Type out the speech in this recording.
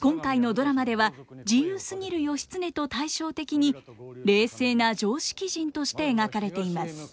今回のドラマでは自由すぎる義経と対照的に冷静な常識人として描かれています。